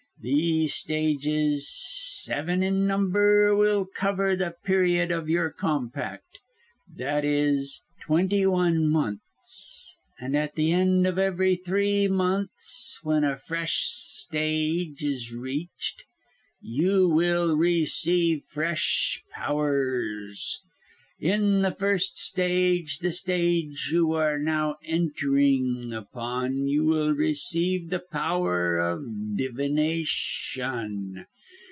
These stages, seven in number, will cover the period of your compact, i.e. twenty one months, and at the end of every three months when a fresh stage is reached you will receive fresh powers. "In the first stage, the stage you are now entering upon, you will receive the power of divination.